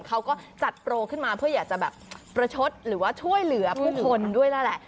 เขาก็จัดโปรขึ้นมาเพื่ออยากจะแบบประชดหรือว่าช่วยเหลือผู้คนด้วยแล้วแหละ